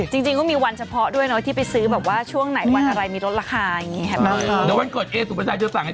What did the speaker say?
จริงจริงก็มีวันเฉพาะด้วยเนาะที่ไปซื้อแบบว่าช่วงไหนวันอะไรมีลดราคาอย่างนี้เห็นไหม